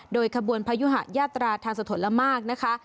โดยขบวนพยุหะยาตราทางสะทนละมากนะคะ